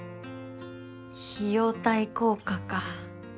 費用対効果か。